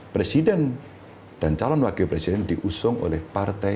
presiden dan calon wakil presiden diusung oleh partai